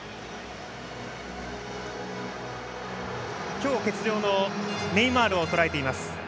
今日欠場のネイマールをとらえていました。